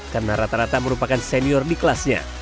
karena rata rata merupakan senior di kelasnya